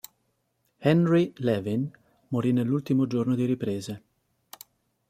Henry Levin morì nell'ultimo giorno di riprese.